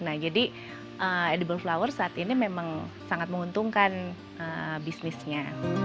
nah jadi edible flower saat ini memang sangat menguntungkan bisnisnya